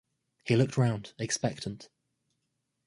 He looked round, expectant.